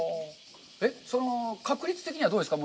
その確率的には、どうですか？